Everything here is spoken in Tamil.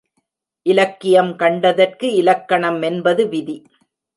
இலக்கியம் கண்டதற்கு இலக்கணம் என்பது விதி.